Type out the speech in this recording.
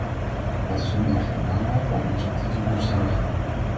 Het is nu echter belangrijk om ons op de toekomst te richten.